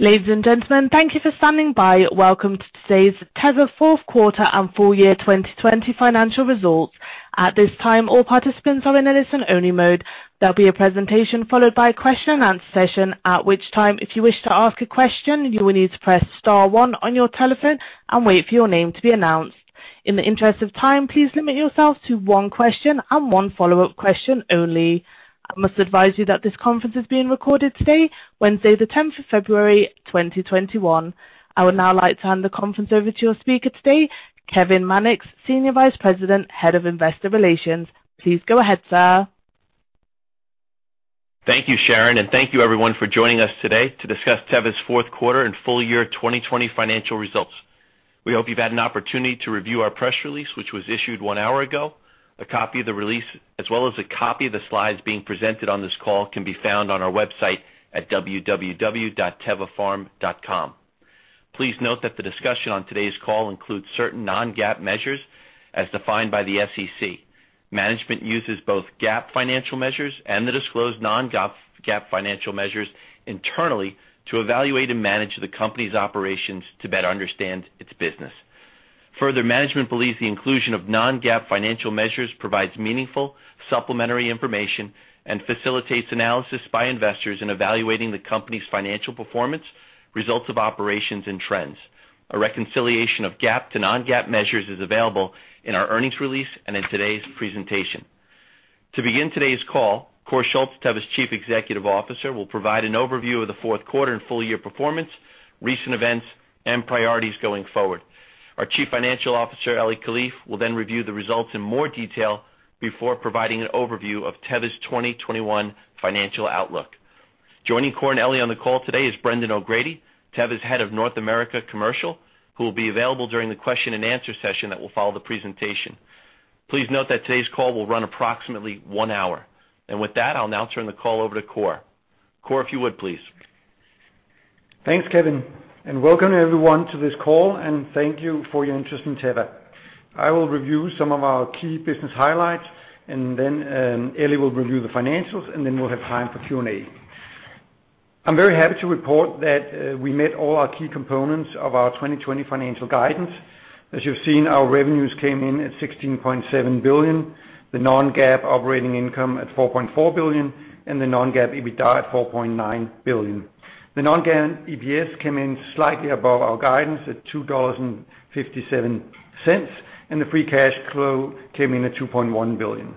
Ladies and gentlemen, thank you for standing by. Welcome to today's Teva fourth quarter and full year 2020 financial results. At this time, all participants are in a listen only mode. There will be a presentation followed by a question and answer session. At which time if you wish to ask a question, you will need to press star one on your telephone and wait for your name to be announced. In the interest of time, please limit yourself to one question and one follow up question only. I must advise you that this conference is being recorded today, Wednesday the 10th of February, 2021. I would now like to hand the conference over to your speaker today, Kevin Mannix, Senior Vice President, Head of Investor Relations. Please go ahead, sir. Thank you, Sharon, and thank you everyone for joining us today to discuss Teva's fourth quarter and full year 2020 financial results. We hope you've had an opportunity to review our press release, which was issued one hour ago. A copy of the release, as well as a copy of the slides being presented on this call can be found on our website at www.tevapharm.com. Please note that the discussion on today's call includes certain non-GAAP measures as defined by the SEC. Management uses both GAAP financial measures and the disclosed non-GAAP financial measures internally to evaluate and manage the company's operations to better understand its business. Further, management believes the inclusion of non-GAAP financial measures provides meaningful supplementary information and facilitates analysis by investors in evaluating the company's financial performance, results of operations, and trends. A reconciliation of GAAP to non-GAAP measures is available in our earnings release and in today's presentation. To begin today's call, Kåre Schultz, Teva's Chief Executive Officer, will provide an overview of the fourth quarter and full year performance, recent events, and priorities going forward. Our Chief Financial Officer, Eli Kalif, will then review the results in more detail before providing an overview of Teva's 2021 financial outlook. Joining Kåre and Eli on the call today is Brendan O'Grady, Teva's Head of North America Commercial, who will be available during the question and answer session that will follow the presentation. Please note that today's call will run approximately one hour. With that, I'll now turn the call over to Kåre. Kåre, if you would please. Thanks, Kevin, and welcome everyone to this call, and thank you for your interest in Teva. I will review some of our key business highlights and then Eli will review the financials, and then we'll have time for Q&A. I'm very happy to report that we met all our key components of our 2020 financial guidance. As you've seen, our revenues came in at $16.7 billion, the non-GAAP operating income at $4.4 billion, and the non-GAAP EBITDA at $4.9 billion. The non-GAAP EPS came in slightly above our guidance at $2.57, and the free cash flow came in at $2.1 billion.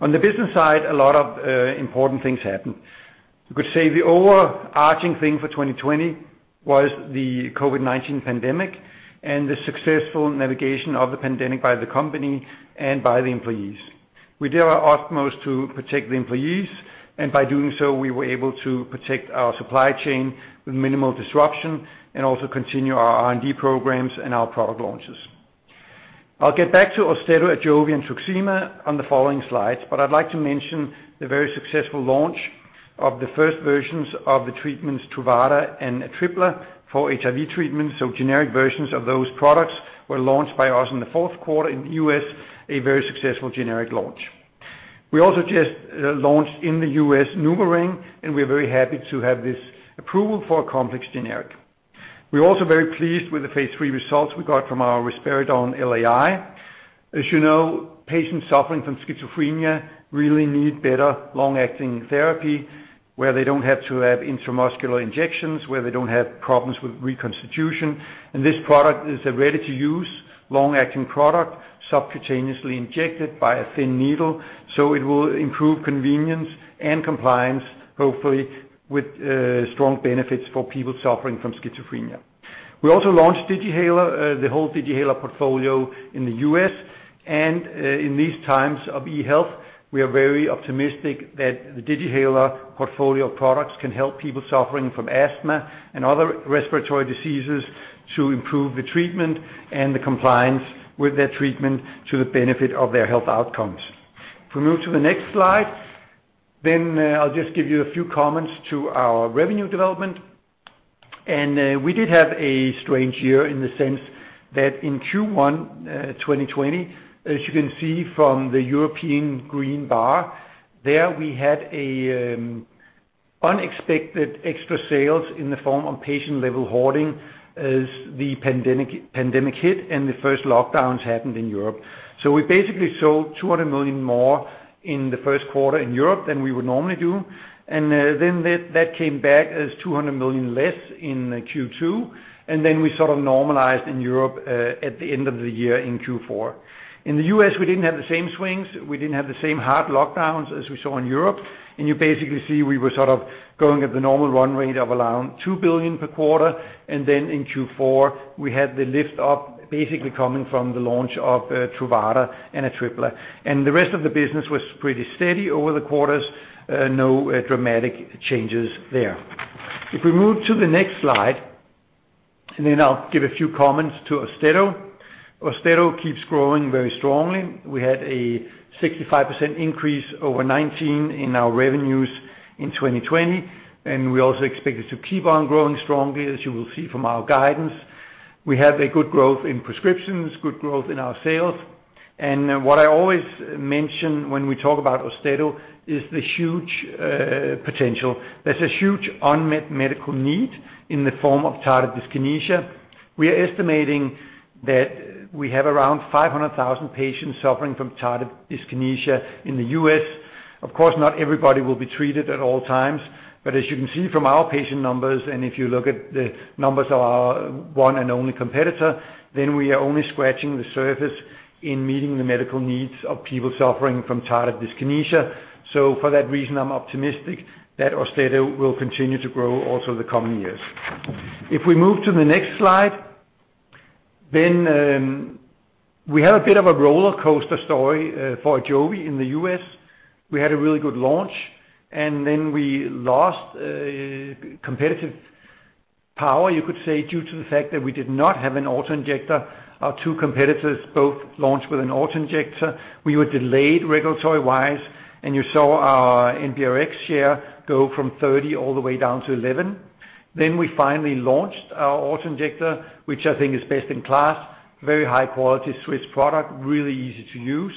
On the business side, a lot of important things happened. You could say the overarching thing for 2020 was the COVID-19 pandemic and the successful navigation of the pandemic by the company and by the employees. We did our utmost to protect the employees, and by doing so, we were able to protect our supply chain with minimal disruption and also continue our R&D programs and our product launches. I'll get back to AUSTEDO, AJOVY, and TRUXIMA on the following slides, but I'd like to mention the very successful launch of the first versions of the treatments, Truvada and Atripla for HIV treatment. Generic versions of those products were launched by us in the fourth quarter in the U.S., a very successful generic launch. We also just launched in the U.S., NuvaRing. We're very happy to have this approval for a complex generic. We're also very pleased with the phase III results we got from our risperidone LAI. As you know, patients suffering from schizophrenia really need better long-acting therapy, where they don't have to have intramuscular injections, where they don't have problems with reconstitution. This product is a ready-to-use long-acting product, subcutaneously injected by a thin needle, so it will improve convenience and compliance, hopefully with strong benefits for people suffering from schizophrenia. We also launched Digihaler, the whole Digihaler portfolio in the U.S. and in these times of e-health, we are very optimistic that the Digihaler portfolio of products can help people suffering from asthma and other respiratory diseases to improve the treatment and the compliance with their treatment to the benefit of their health outcomes. If we move to the next slide, I'll just give you a few comments to our revenue development. We did have a strange year in the sense that in Q1 2020, as you can see from the European green bar there, we had unexpected extra sales in the form of patient-level hoarding as the pandemic hit and the first lockdowns happened in Europe. We basically sold 200 million more in the first quarter in Europe than we would normally do. That came back as 200 million less in Q2, and then we sort of normalized in Europe at the end of the year in Q4. In the U.S., we didn't have the same swings. We didn't have the same hard lockdowns as we saw in Europe. You basically see, we were sort of going at the normal run rate of around $2 billion per quarter. In Q4, we had the lift up basically coming from the launch of Truvada and Atripla. The rest of the business was pretty steady over the quarters. No dramatic changes there. If we move to the next slide, then I'll give a few comments to AUSTEDO. AUSTEDO keeps growing very strongly. We had a 65% increase over 2019 in our revenues in 2020, and we also expect it to keep on growing strongly, as you will see from our guidance. We have a good growth in prescriptions, good growth in our sales. What I always mention when we talk about AUSTEDO is the huge potential. There's a huge unmet medical need in the form of tardive dyskinesia. We are estimating that we have around 500,000 patients suffering from tardive dyskinesia in the U.S. Not everybody will be treated at all times, but as you can see from our patient numbers, and if you look at the numbers of our one and only competitor, we are only scratching the surface in meeting the medical needs of people suffering from tardive dyskinesia. For that reason, I'm optimistic that AUSTEDO will continue to grow also the coming years. If we move to the next slide, we have a bit of a rollercoaster story for AJOVY in the U.S. We had a really good launch, we lost competitive power, you could say, due to the fact that we did not have an auto-injector. Our two competitors both launched with an auto-injector. We were delayed regulatory-wise, you saw our NBRx share go from 30 all the way down to 11. We finally launched our auto-injector, which I think is best in class, very high quality Swiss product, really easy to use.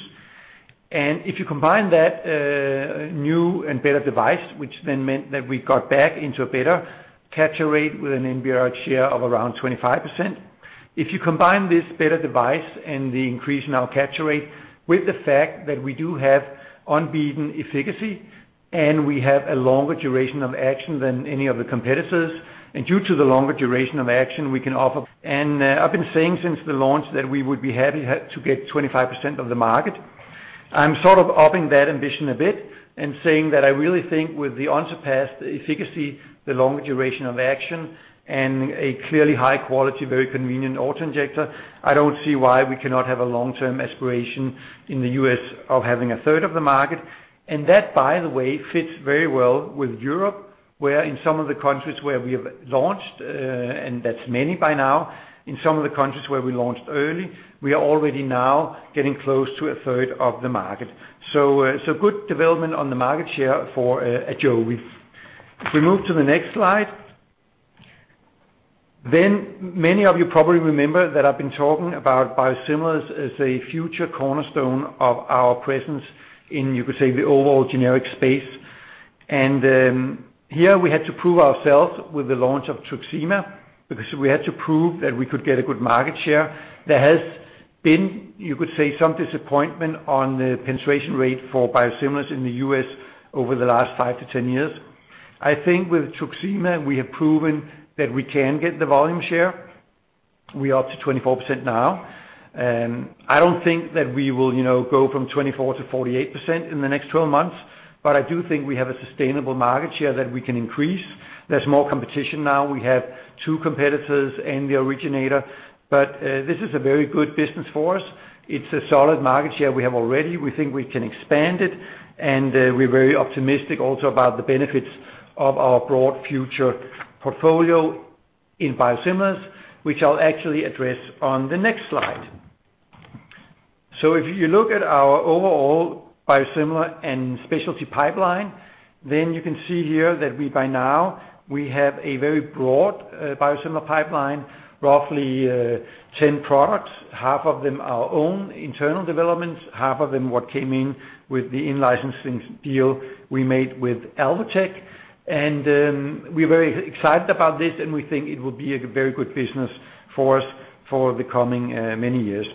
If you combine that new and better device, which then meant that we got back into a better capture rate with an NBRx share of around 25%. If you combine this better device and the increase in our capture rate with the fact that we do have unbeaten efficacy and we have a longer duration of action than any other competitors. I've been saying since the launch that we would be happy to get 25% of the market. I'm sort of upping that ambition a bit and saying that I really think with the unsurpassed efficacy, the longer duration of action, and a clearly high quality, very convenient auto-injector, I don't see why we cannot have a long-term aspiration in the U.S. of having 1/3 of the market. That, by the way, fits very well with Europe, where in some of the countries where we have launched, and that's many by now, in some of the countries where we launched early, we are already now getting close to 1/3 of the market. Good development on the market share for AJOVY. If we move to the next slide, many of you probably remember that I've been talking about biosimilars as a future cornerstone of our presence in, you could say, the overall generic space. Here we had to prove ourselves with the launch of TRUXIMA because we had to prove that we could get a good market share. There has been, you could say, some disappointment on the penetration rate for biosimilars in the U.S. over the last five to 10 years. I think with TRUXIMA, we have proven that we can get the volume share. We are up to 24% now. I don't think that we will go from 24% to 48% in the next 12 months, I do think we have a sustainable market share that we can increase. There's more competition now. We have two competitors and the originator, this is a very good business for us. It's a solid market share we have already. We think we can expand it, and we're very optimistic also about the benefits of our broad future portfolio in biosimilars, which I'll actually address on the next slide. If you look at our overall biosimilar and specialty pipeline, then you can see here that we by now have a very broad biosimilar pipeline, roughly 10 products, half of them our own internal developments, half of them what came in with the in-licensing deal we made with Alvotech. We're very excited about this, and we think it will be a very good business for us for the coming many years.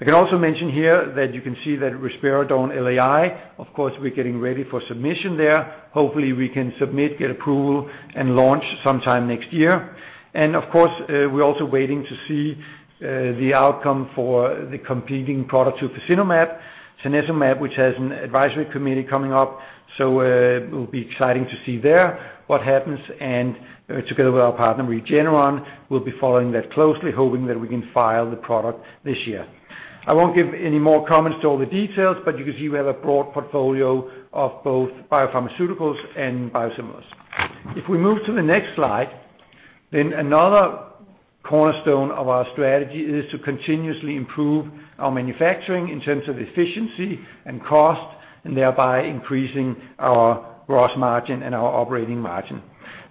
I can also mention here that you can see that risperidone LAI, of course, we're getting ready for submission there. Hopefully, we can submit, get approval, and launch sometime next year. Of course, we're also waiting to see the outcome for the competing product to tocilizumab, tanezumab, which has an advisory committee coming up. It will be exciting to see there what happens. Together with our partner, Regeneron, we'll be following that closely, hoping that we can file the product this year. I won't give any more comments to all the details, but you can see we have a broad portfolio of both biopharmaceuticals and biosimilars. If we move to the next slide, another cornerstone of our strategy is to continuously improve our manufacturing in terms of efficiency and cost, and thereby increasing our gross margin and our operating margin.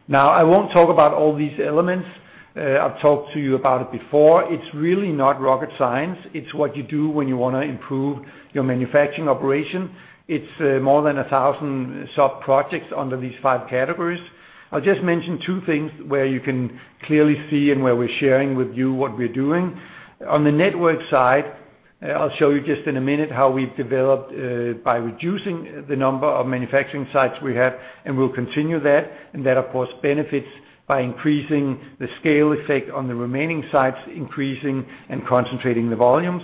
Now, I won't talk about all these elements. I've talked to you about it before. It's really not rocket science. It's what you do when you want to improve your manufacturing operation. It's more than 1,000 sub-projects under these five categories. I'll just mention two things where you can clearly see and where we're sharing with you what we're doing. On the network side, I'll show you just in a minute how we've developed by reducing the number of manufacturing sites we have, and we'll continue that. That, of course, benefits by increasing the scale effect on the remaining sites, increasing and concentrating the volumes.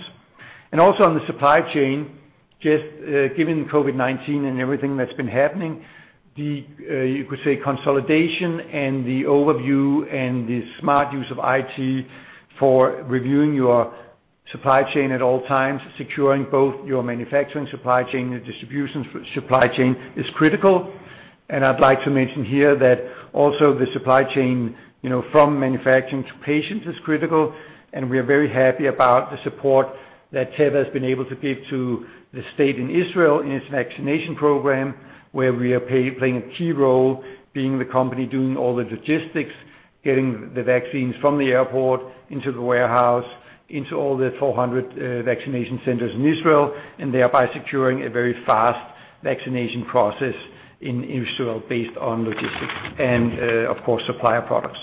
Also on the supply chain, just given COVID-19 and everything that's been happening, you could say consolidation and the overview and the smart use of IT for reviewing your supply chain at all times, securing both your manufacturing supply chain and distribution supply chain is critical. I'd like to mention here that also the supply chain from manufacturing to patients is critical, and we are very happy about the support that Teva has been able to give to the state in Israel in its vaccination program, where we are playing a key role, being the company doing all the logistics, getting the vaccines from the airport into the warehouse, into all the 400 vaccination centers in Israel, and thereby securing a very fast vaccination process in Israel based on logistics and, of course, supplier products.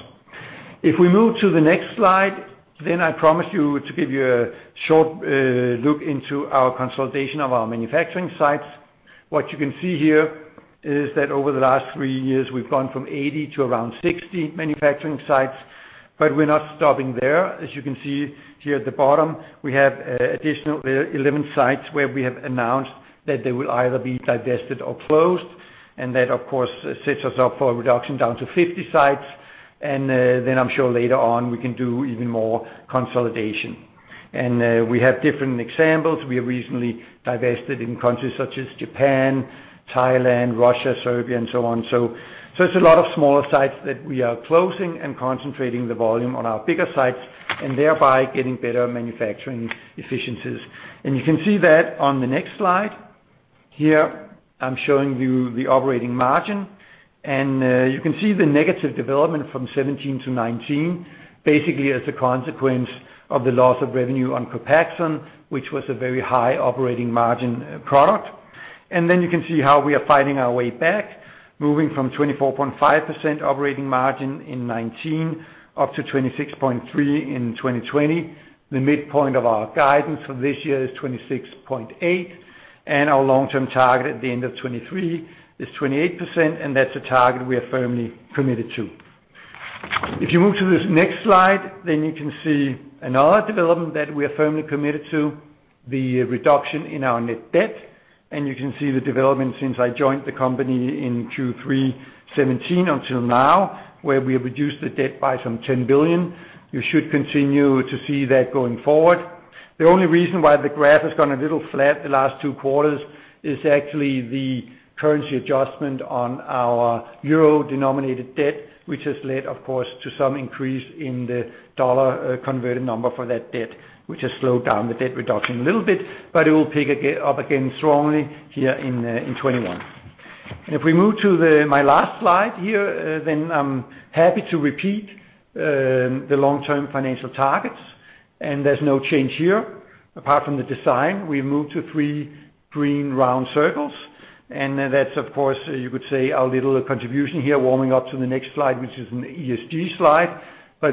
If we move to the next slide, I promise you to give you a short look into our consultation of our manufacturing sites. What you can see here is that over the last three years, we've gone from 80 to around 60 manufacturing sites, but we're not stopping there. As you can see here at the bottom, we have additional 11 sites where we have announced that they will either be divested or closed. That, of course, sets us up for a reduction down to 50 sites. I'm sure later on we can do even more consolidation. We have different examples. We have recently divested in countries such as Japan, Thailand, Russia, Serbia, and so on. It's a lot of smaller sites that we are closing and concentrating the volume on our bigger sites and thereby getting better manufacturing efficiencies. You can see that on the next slide. Here, I'm showing you the operating margin, and you can see the negative development from 2017-2019, basically as a consequence of the loss of revenue on COPAXONE, which was a very high operating margin product. You can see how we are fighting our way back, moving from 24.5% operating margin in 2019, up to 26.3 in 2020. The midpoint of our guidance for this year is 26.8, and our long-term target at the end of 2023 is 28%, and that's a target we are firmly committed to. If you move to this next slide, then you can see another development that we are firmly committed to, the reduction in our net debt, and you can see the development since I joined the company in Q3 2017 until now, where we have reduced the debt by some $10 billion. You should continue to see that going forward. The only reason why the graph has gone a little flat the last two quarters is actually the currency adjustment on our EUR-denominated debt, which has led, of course, to some increase in the dollar-converted number for that debt, which has slowed down the debt reduction a little bit, but it will pick up again strongly here in 2021. If we move to my last slide here, I'm happy to repeat the long-term financial targets. There's no change here apart from the design. We've moved to three green round circles, and that's, of course, you could say our little contribution here warming up to the next slide, which is an ESG slide.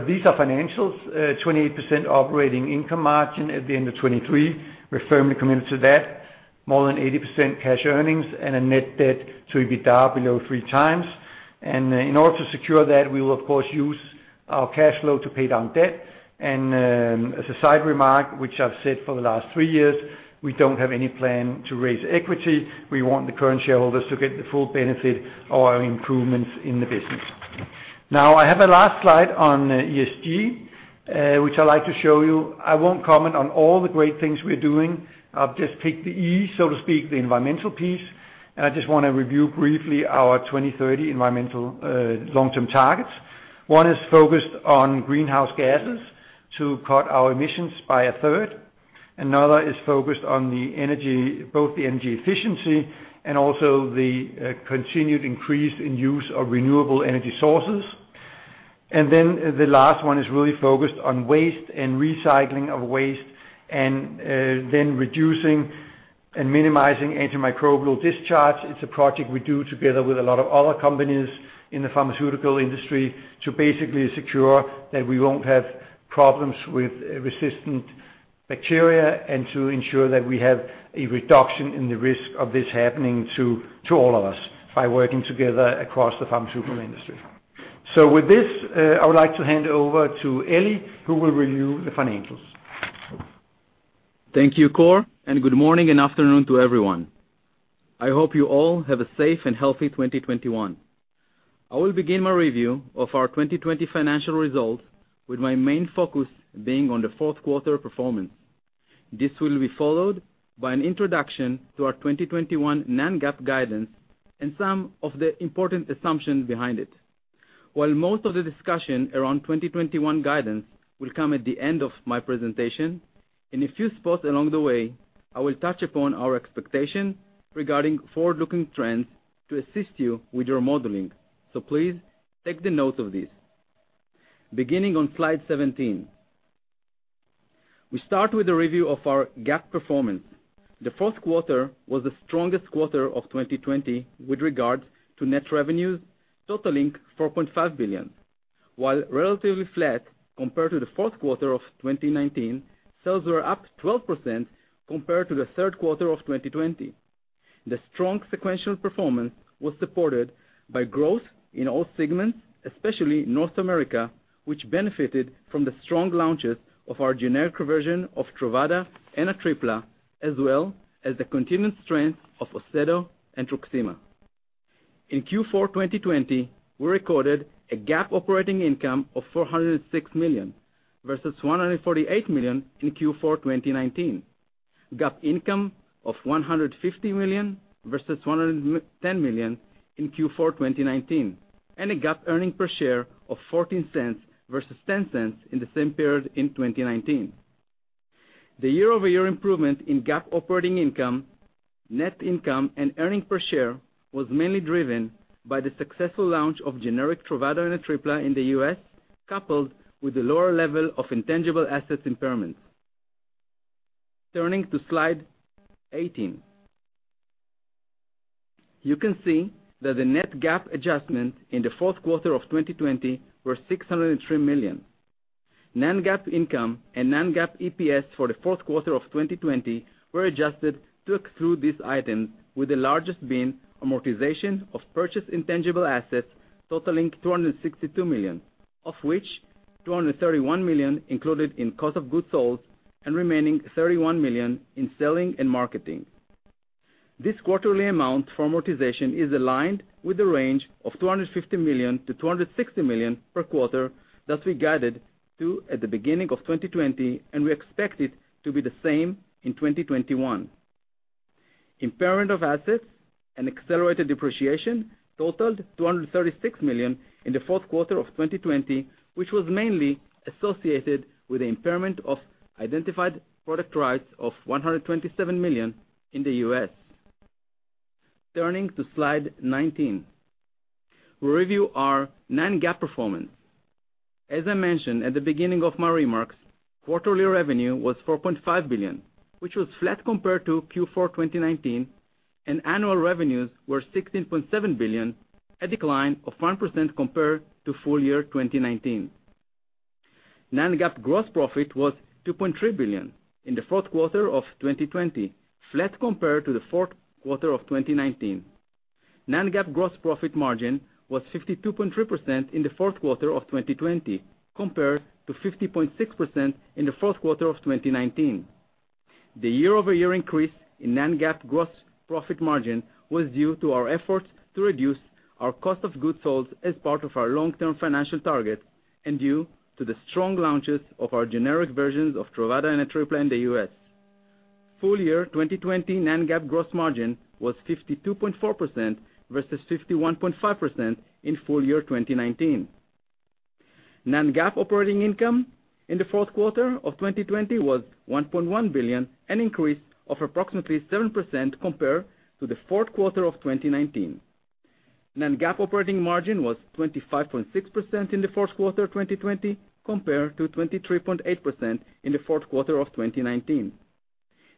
These are financials, 28% operating income margin at the end of 2023. We're firmly committed to that. More than 80% cash earnings and a net debt to EBITDA below three times. In order to secure that, we will of course use our cash flow to pay down debt. As a side remark, which I've said for the last three years, we don't have any plan to raise equity. We want the current shareholders to get the full benefit of our improvements in the business. I have a last slide on ESG, which I'd like to show you. I won't comment on all the great things we're doing. I'll just pick the E, so to speak, the environmental piece. I just want to review briefly our 2030 environmental long-term targets. One is focused on greenhouse gases to cut our emissions by a third. Another is focused on both the energy efficiency and also the continued increase in use of renewable energy sources. The last one is really focused on waste and recycling of waste and then reducing and minimizing antimicrobial discharge. It's a project we do together with a lot of other companies in the pharmaceutical industry to basically secure that we won't have problems with resistant bacteria and to ensure that we have a reduction in the risk of this happening to all of us by working together across the pharmaceutical industry. With this, I would like to hand over to Eli, who will review the financials. Thank you, Kåre, and good morning and afternoon to everyone. I hope you all have a safe and healthy 2021. I will begin my review of our 2020 financial results with my main focus being on the fourth quarter performance. This will be followed by an introduction to our 2021 non-GAAP guidance and some of the important assumptions behind it. While most of the discussion around 2021 guidance will come at the end of my presentation, in a few spots along the way, I will touch upon our expectation regarding forward-looking trends to assist you with your modeling. Please take the notes of this. Beginning on slide 17. We start with a review of our GAAP performance. The fourth quarter was the strongest quarter of 2020 with regards to net revenues totaling $4.5 billion. While relatively flat compared to the fourth quarter of 2019, sales were up 12% compared to the third quarter of 2020. The strong sequential performance was supported by growth in all segments, especially North America, which benefited from the strong launches of our generic version of Truvada and Atripla, as well as the continued strength of AUSTEDO and TRUXIMA. In Q4 2020, we recorded a GAAP operating income of $406 million versus $148 million in Q4 2019. GAAP income of $150 million versus $110 million in Q4 2019, and a GAAP earnings per share of $0.14 versus $0.10 in the same period in 2019. The year-over-year improvement in GAAP operating income, net income, and earnings per share was mainly driven by the successful launch of generic Truvada and Atripla in the U.S., coupled with the lower level of intangible assets impairments. Turning to slide 18. You can see that the net GAAP adjustment in the fourth quarter of 2020 were $603 million. Non-GAAP income and non-GAAP EPS for the fourth quarter of 2020 were adjusted to exclude these items, with the largest being amortization of purchased intangible assets totaling $262 million, of which $231 million included in cost of goods sold and remaining $31 million in selling and marketing. This quarterly amount for amortization is aligned with the range of $250 million-$260 million per quarter that we guided to at the beginning of 2020. We expect it to be the same in 2021. Impairment of assets and accelerated depreciation totaled $236 million in the fourth quarter of 2020, which was mainly associated with the impairment of identified product rights of $127 million in the U.S. Turning to slide 19. We'll review our non-GAAP performance. As I mentioned at the beginning of my remarks, quarterly revenue was $4.5 billion, which was flat compared to Q4 2019, and annual revenues were $16.7 billion, a decline of 1% compared to full year 2019. non-GAAP gross profit was $2.3 billion in the fourth quarter of 2020, flat compared to the fourth quarter of 2019. non-GAAP gross profit margin was 52.3% in the fourth quarter of 2020, compared to 50.6% in the fourth quarter of 2019. The year-over-year increase in non-GAAP gross profit margin was due to our efforts to reduce our cost of goods sold as part of our long-term financial target and due to the strong launches of our generic versions of Truvada and Atripla in the U.S. Full year 2020 non-GAAP gross margin was 52.4% versus 51.5% in full year 2019. Non-GAAP operating income in the fourth quarter of 2020 was $1.1 billion, an increase of approximately 7% compared to the fourth quarter of 2019. Non-GAAP operating margin was 25.6% in the fourth quarter of 2020, compared to 23.8% in the fourth quarter of 2019.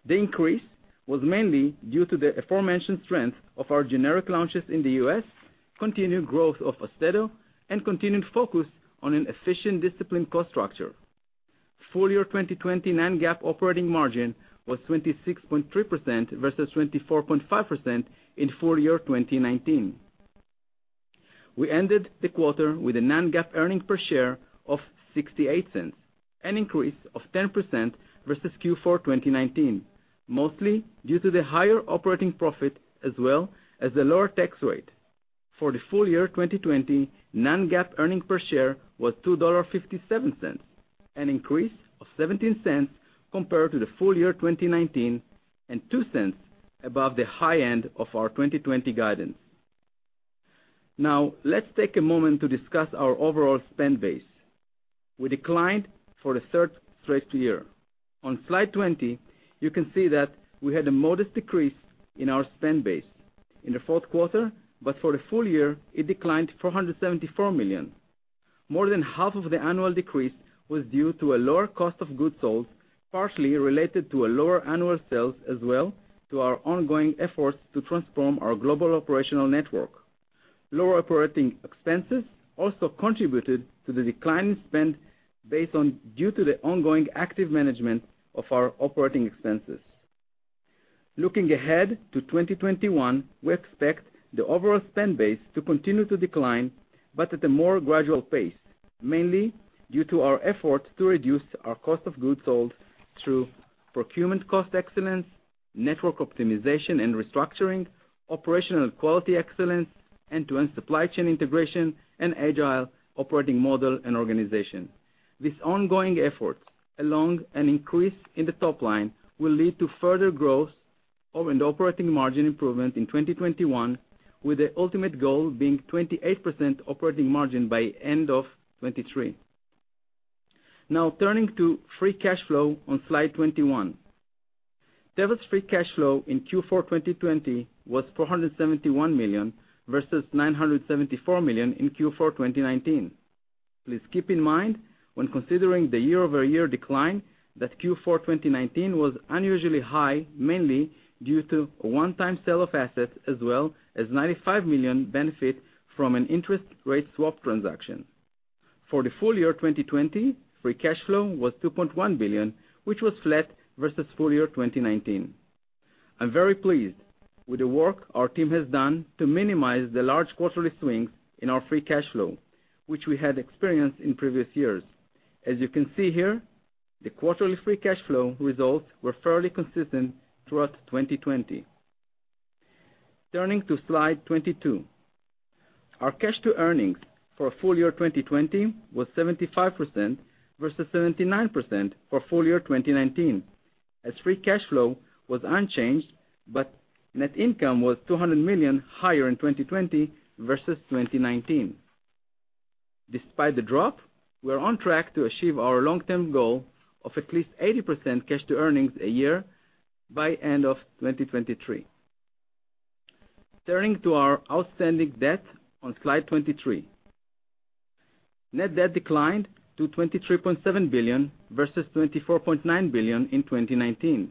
The increase was mainly due to the aforementioned strength of our generic launches in the U.S., continued growth of AUSTEDO, and continued focus on an efficient, disciplined cost structure. Full year 2020 non-GAAP operating margin was 26.3% versus 24.5% in full year 2019. We ended the quarter with a non-GAAP earnings per share of $0.68, an increase of 10% versus Q4 2019, mostly due to the higher operating profit as well as the lower tax rate. For the full year 2020, non-GAAP earnings per share was $2.57, an increase of $0.17 compared to the full year 2019 and $0.02 above the high end of our 2020 guidance. Let's take a moment to discuss our overall spend base. We declined for the third straight year. On slide 20, you can see that we had a modest decrease in our spend base in the fourth quarter, for the full year, it declined $474 million. More than half of the annual decrease was due to a lower cost of goods sold, partly related to a lower annual sales, as well to our ongoing efforts to transform our global operational network. Lower operating expenses also contributed to the decline in spend base due to the ongoing active management of our operating expenses. Looking ahead to 2021, we expect the overall spend base to continue to decline, but at a more gradual pace, mainly due to our efforts to reduce our cost of goods sold through procurement cost excellence, network optimization and restructuring, operational quality excellence, end-to-end supply chain integration, and agile operating model and organization. These ongoing efforts, along an increase in the top line, will lead to further growth and operating margin improvement in 2021, with the ultimate goal being 28% operating margin by end of 2023. Now, turning to free cash flow on slide 21. Teva's free cash flow in Q4 2020 was $471 million versus $974 million in Q4 2019. Please keep in mind when considering the year-over-year decline that Q4 2019 was unusually high, mainly due to a one-time sale of assets as well as $95 million benefit from an interest rate swap transaction. For the full year 2020, free cash flow was $2.1 billion, which was flat versus full year 2019. I'm very pleased with the work our team has done to minimize the large quarterly swings in our free cash flow, which we had experienced in previous years. As you can see here, the quarterly free cash flow results were fairly consistent throughout 2020. Turning to slide 22. Our cash to earnings for full year 2020 was 75% versus 79% for full year 2019, as free cash flow was unchanged, net income was $200 million higher in 2020 versus 2019. Despite the drop, we are on track to achieve our long-term goal of at least 80% cash to earnings a year by end of 2023. Turning to our outstanding debt on slide 23. Net debt declined to $23.7 billion versus $24.9 billion in 2019.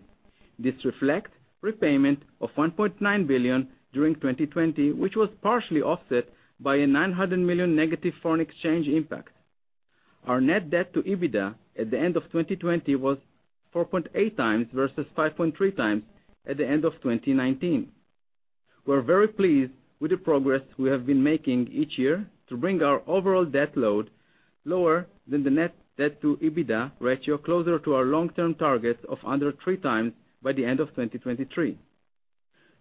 This reflects prepayment of $1.9 billion during 2020, which was partially offset by a $900 million negative foreign exchange impact. Our net debt to EBITDA at the end of 2020 was 4.8x versus 5.3x at the end of 2019. We are very pleased with the progress we have been making each year to bring our overall debt load lower than the net debt to EBITDA ratio, closer to our long-term target of under three times by the end of 2023.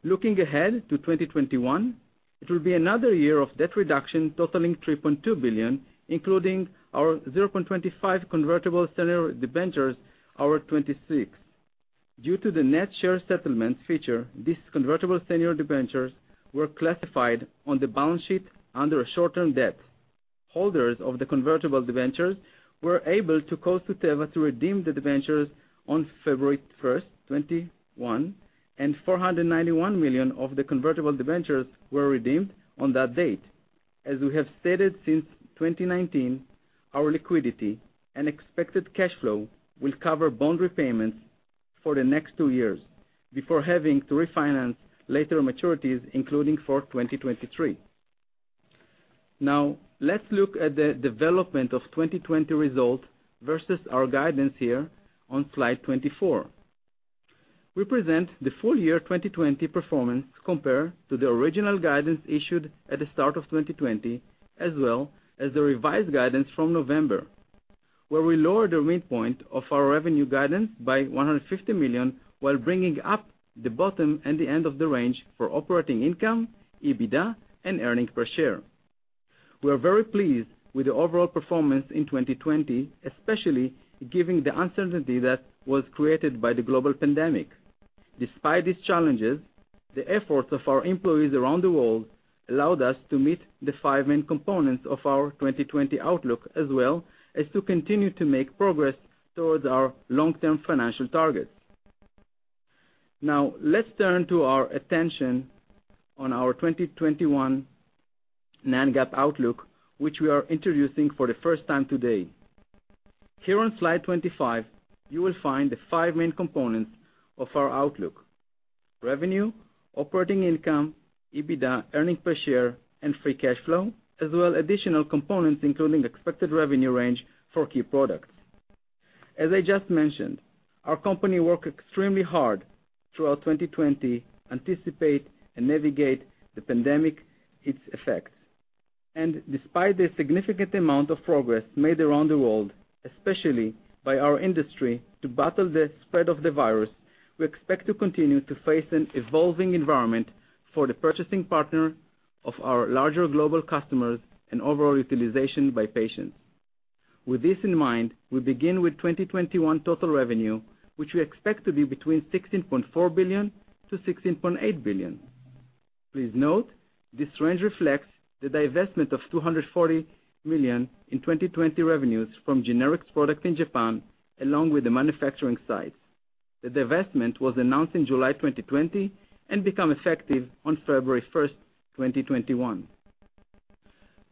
Looking ahead to 2021, it will be another year of debt reduction totaling $3.2 billion, including our 0.25% convertible senior debentures, our 2026. Due to the net share settlement feature, these convertible senior debentures were classified on the balance sheet under short-term debt. Holders of the convertible debentures were able to cause Teva to redeem the debentures on February 1st, 2021, and $491 million of the convertible debentures were redeemed on that date. As we have stated since 2019, our liquidity and expected cash flow will cover bond repayments for the next two years before having to refinance later maturities, including for 2023. Let's look at the development of 2020 results versus our guidance here on slide 24. We present the full year 2020 performance compared to the original guidance issued at the start of 2020, as well as the revised guidance from November, where we lowered the midpoint of our revenue guidance by $150 million while bringing up the bottom and the end of the range for operating income, EBITDA, and earnings per share. We are very pleased with the overall performance in 2020, especially given the uncertainty that was created by the global pandemic. Despite these challenges, the efforts of our employees around the world allowed us to meet the five main components of our 2020 outlook, as well as to continue to make progress towards our long-term financial targets. Let's turn our attention to our 2021 non-GAAP outlook, which we are introducing for the first time today. Here on slide 25, you will find the five main components of our outlook, revenue, operating income, EBITDA, earnings per share, and free cash flow, as well as additional components, including expected revenue range for key products. As I just mentioned, our company worked extremely hard throughout 2020 to anticipate and navigate the pandemic, its effects, and despite the significant amount of progress made around the world, especially by our industry, to battle the spread of the virus, we expect to continue to face an evolving environment for the purchasing partner of our larger global customers and overall utilization by patients. With this in mind, we begin with 2021 total revenue, which we expect to be between $16.4 billion-$16.8 billion. Please note, this range reflects the divestment of $240 million in 2020 revenues from generics product in Japan, along with the manufacturing sites. The divestment was announced in July 2020 and became effective on February 1st, 2021.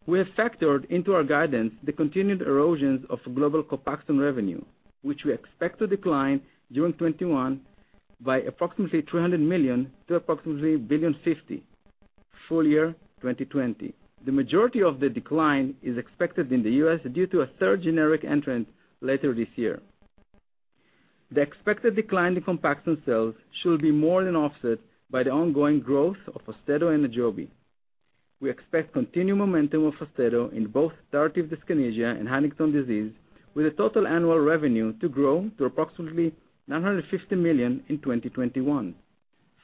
We have factored into our guidance the continued erosion of global COPAXONE revenue, which we expect to decline during 2021 by approximately $300 million to approximately $1.5 billion full year 2020. The majority of the decline is expected in the U.S. due to a third generic entrant later this year. The expected decline in COPAXONE sales should be more than offset by the ongoing growth of AUSTEDO and AJOVY. We expect continued momentum of AUSTEDO in both tardive dyskinesia and Huntington's disease, with a total annual revenue to grow to approximately $950 million in 2021.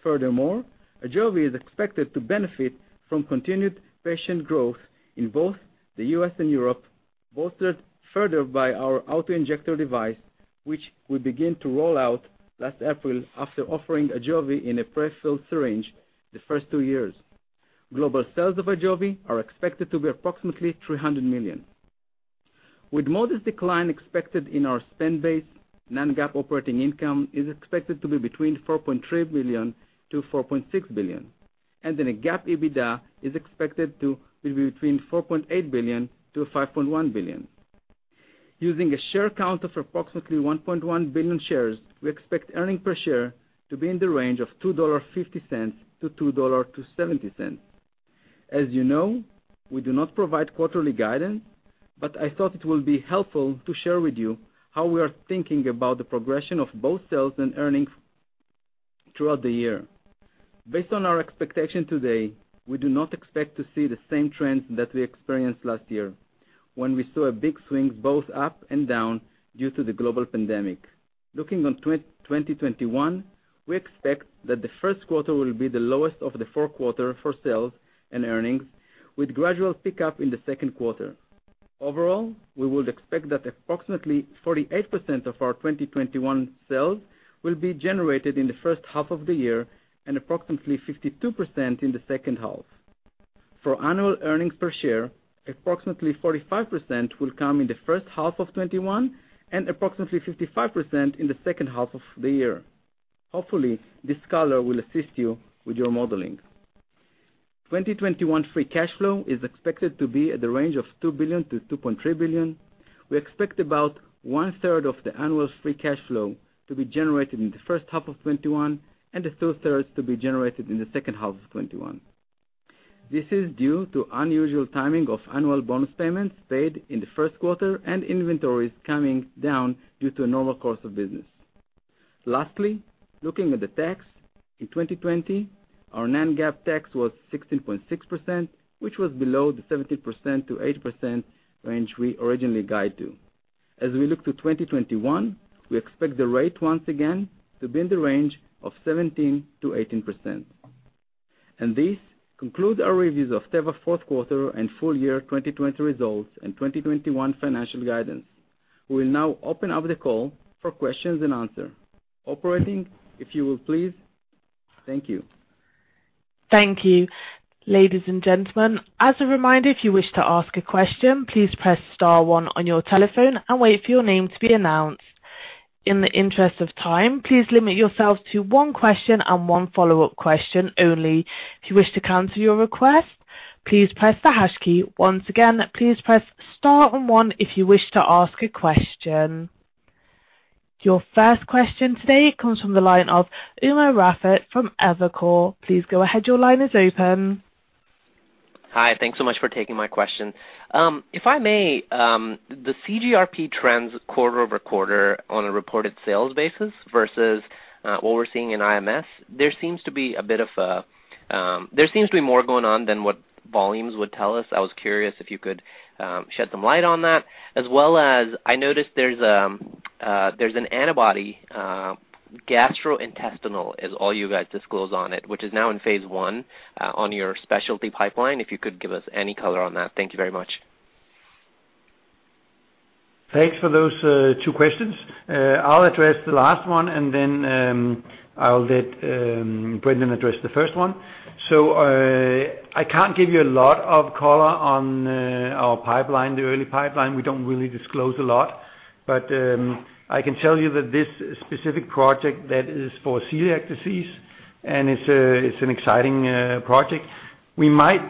AJOVY is expected to benefit from continued patient growth in both the U.S. and Europe, bolstered further by our auto-injector device, which we began to roll out last April after offering AJOVY in a prefilled syringe the first two years. Global sales of AJOVY are expected to be approximately $300 million. With modest decline expected in our spend base, non-GAAP operating income is expected to be between $4.3 billion-$4.6 billion. GAAP EBITDA is expected to be between $4.8 billion-$5.1 billion. Using a share count of approximately 1.1 billion shares, we expect earnings per share to be in the range of $2.50-$2.70. As you know, we do not provide quarterly guidance, but I thought it would be helpful to share with you how we are thinking about the progression of both sales and earnings throughout the year. Based on our expectation today, we do not expect to see the same trends that we experienced last year when we saw a big swing both up and down due to the global pandemic. Looking at 2021, we expect that the first quarter will be the lowest of the four quarters for sales and earnings, with gradual pickup in the second quarter. We would expect that approximately 48% of our 2021 sales will be generated in the first half of the year and approximately 52% in the second half. For annual earnings per share, approximately 45% will come in the first half of 2021 and approximately 55% in the second half of the year. Hopefully, this color will assist you with your modeling. 2021 free cash flow is expected to be at the range of $2 billion-$2.3 billion. We expect about one-third of the annual free cash flow to be generated in the first half of 2021, and the two-thirds to be generated in the second half of 2021. This is due to unusual timing of annual bonus payments paid in the first quarter and inventories coming down due to a normal course of business. Lastly, looking at the tax, in 2020, our non-GAAP tax was 16.6%, which was below the 17%-18% range we originally guide to. As we look to 2021, we expect the rate once again to be in the range of 17%-18%. This concludes our review of Teva fourth quarter and full year 2020 results and 2021 financial guidance. We will now open up the call for questions and answer. Operator, if you will, please. Thank you. Thank you. Ladies and gentlemen, as a reminder, if you wish to ask a question, please press star one on your telephone and wait for your name to be announced. In the interest of time, please limit yourselves to one question and one follow-up question only. If you wish to cancel your request, please press the hash key. Once again, please press star and one if you wish to ask a question. Your first question today comes from the line of Umer Raffat from Evercore. Please go ahead. Your line is open. Hi. Thanks so much for taking my question. If I may, the CGRP trends quarter-over-quarter on a reported sales basis versus what we're seeing in IMS, there seems to be more going on than what volumes would tell us. I was curious if you could shed some light on that. I noticed there's an antibody, gastrointestinal is all you guys disclose on it, which is now in phase I on your specialty pipeline, if you could give us any color on that. Thank you very much. Thanks for those two questions. I'll address the last one and then I'll let Brendan address the first one. I can't give you a lot of color on our early pipeline. We don't really disclose a lot. I can tell you that this specific project that is for celiac disease, and it's an exciting project. We might,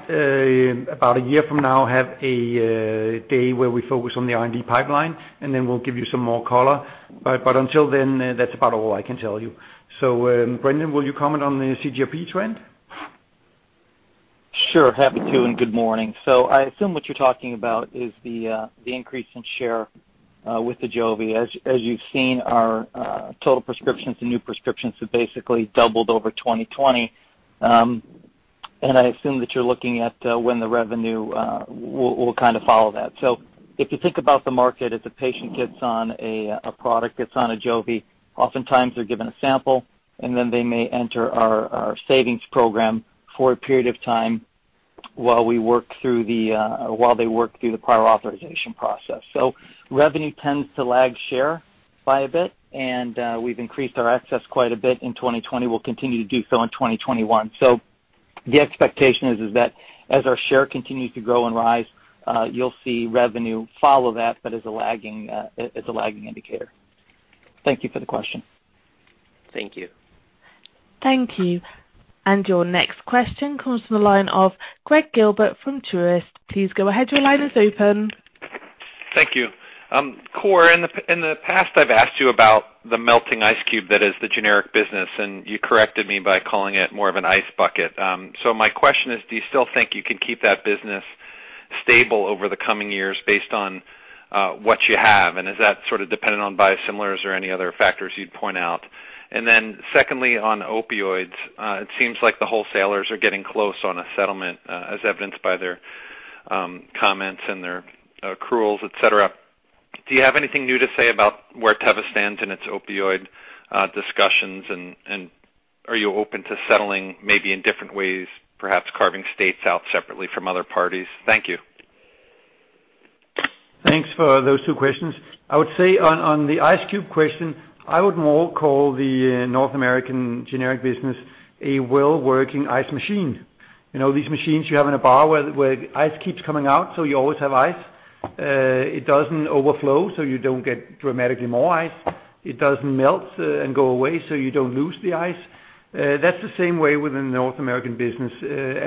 about a year from now, have a day where we focus on the R&D pipeline, and then we'll give you some more color. Until then, that's about all I can tell you. Brendan, will you comment on the CGRP trend? Sure. Happy to, and good morning. I assume what you're talking about is the increase in share with AJOVY. As you've seen, our total prescriptions and new prescriptions have basically doubled over 2020. I assume that you're looking at when the revenue will kind of follow that. If you think about the market, if a patient gets on a product, gets on AJOVY, oftentimes they're given a sample, and then they may enter our savings program for a period of time while they work through the prior authorization process. Revenue tends to lag share by a bit, and we've increased our access quite a bit in 2020. We'll continue to do so in 2021. The expectation is that as our share continues to grow and rise, you'll see revenue follow that, but as a lagging indicator. Thank you for the question. Thank you. Thank you. Your next question comes from the line of Gregg Gilbert from Truist. Please go ahead. Your line is open. Thank you. Kåre, in the past, I've asked you about the melting ice cube that is the generic business, and you corrected me by calling it more of an ice bucket. My question is, do you still think you can keep that business stable over the coming years based on what you have? Is that sort of dependent on biosimilars or any other factors you'd point out? Secondly, on opioids, it seems like the wholesalers are getting close on a settlement, as evidenced by their comments and their accruals, et cetera. Do you have anything new to say about where Teva stands in its opioid discussions, and are you open to settling maybe in different ways, perhaps carving states out separately from other parties? Thank you. Thanks for those two questions. I would say on the ice cube question, I would more call the North American generic business a well-working ice machine. These machines you have in a bar where ice keeps coming out, so you always have ice. It doesn't overflow, so you don't get dramatically more ice. It doesn't melt and go away, so you don't lose the ice. That's the same way within the North American business.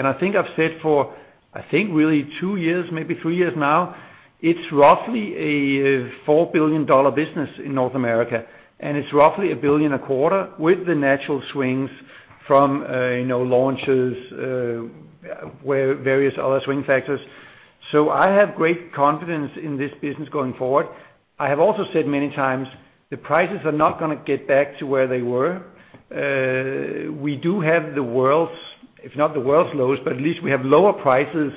I think I've said for, I think really two years, maybe three years now, it's roughly a $4 billion business in North America, and it's roughly $1 billion a quarter with the natural swings from launches, various other swing factors. I have great confidence in this business going forward. I have also said many times, the prices are not going to get back to where they were. We do have the world's, if not the world's lowest, but at least we have lower prices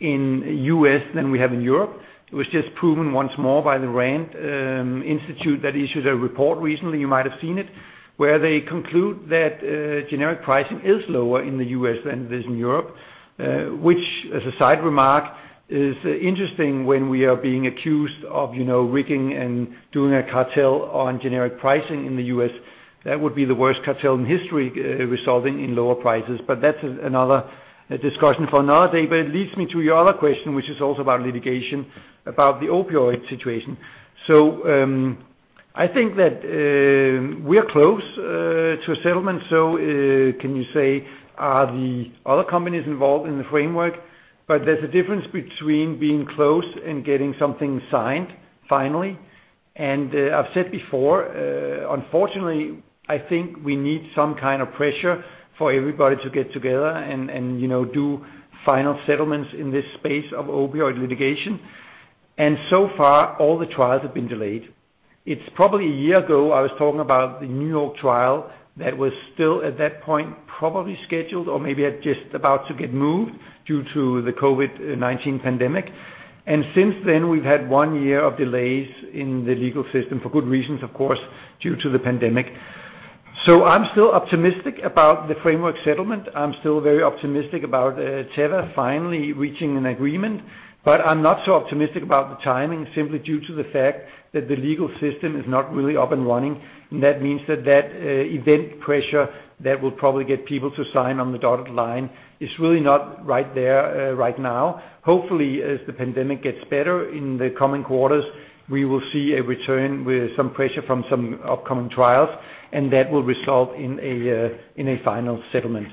in the U.S. than we have in Europe. It was just proven once more by the RAND Corporation that issued a report recently, you might have seen it, where they conclude that generic pricing is lower in the U.S. than it is in Europe, which, as a side remark, is interesting when we are being accused of rigging and doing a cartel on generic pricing in the U.S. That would be the worst cartel in history, resulting in lower prices. That's another discussion for another day. It leads me to your other question, which is also about litigation, about the opioid situation. I think that we are close to a settlement. Can you say, are the other companies involved in the framework? There's a difference between being close and getting something signed finally. I've said before, unfortunately, I think we need some kind of pressure for everybody to get together and do final settlements in this space of opioid litigation. So far, all the trials have been delayed. It's probably a year ago, I was talking about the New York trial that was still at that point, probably scheduled or maybe at just about to get moved due to the COVID-19 pandemic. Since then, we've had one year of delays in the legal system. For good reasons, of course, due to the pandemic. I'm still optimistic about the framework settlement. I'm still very optimistic about Teva finally reaching an agreement, but I'm not so optimistic about the timing simply due to the fact that the legal system is not really up and running. That means that that event pressure that will probably get people to sign on the dotted line is really not right there right now. Hopefully, as the pandemic gets better in the coming quarters, we will see a return with some pressure from some upcoming trials, and that will result in a final settlement.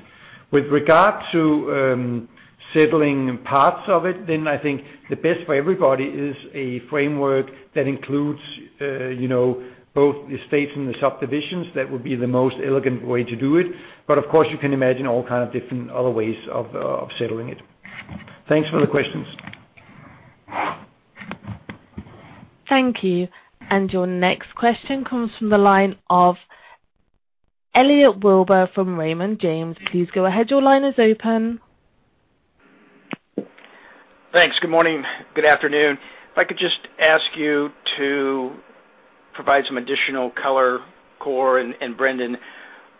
With regard to settling parts of it, I think the best for everybody is a framework that includes both the states and the subdivisions. That would be the most elegant way to do it. Of course, you can imagine all kind of different other ways of settling it. Thanks for the questions. Thank you. Your next question comes from the line of Elliot Wilbur from Raymond James. Please go ahead. Your line is open. Thanks. Good morning. Good afternoon. If I could just ask you to provide some additional color, Kåre and Brendan,